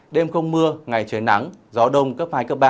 đêm không mưa ngày trời nắng gió đông cấp hai cấp ba